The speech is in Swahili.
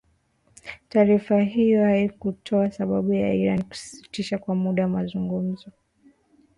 Taarifa hiyo haikutoa sababu ya Iran kusitisha kwa muda mazungumzo